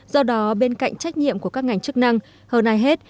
do đó bên cạnh trách nhiệm của các ngành chức năng hơn ai hết